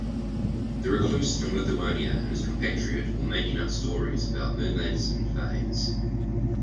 The recluse from Lithuania and his compatriot were making up stories about mermaids and fays.